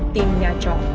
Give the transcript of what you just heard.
tìm nhà trọ